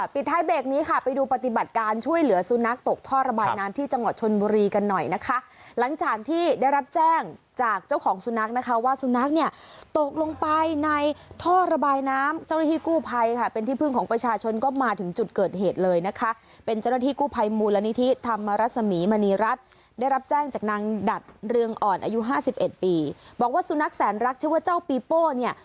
ปิดไฟเบรกนี้ไปดูปฏิบัติการช่วยเหลือตกท่อระบายน้ำที่จังหวัดชนบุรี